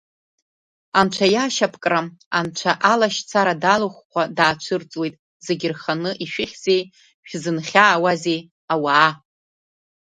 Анцәа иашьапкра анцәа алашьцара далхәхәа, даацәырҵуеит Зегьы рханы Ишәыхьзеи, шәзынхьаауазеи, ауаа?